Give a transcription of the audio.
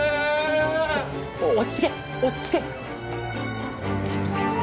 お落ち着け落ち着け！